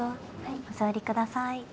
お座りください。